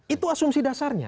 itu asumsi dasarnya